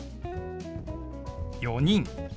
「４人」。